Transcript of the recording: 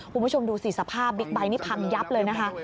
คุณผู้ชมดูสิสภาพบิ๊กไบท์นี่พังยับเลยนะคะ